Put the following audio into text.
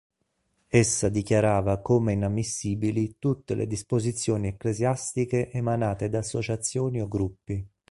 Essa dichiarava come inammissibili tutte le disposizioni ecclesiastiche emanate da associazioni o gruppi.